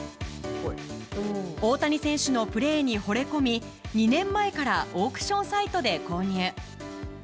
大谷選手のプレーにほれ込み２年前からオークションサイトで購入。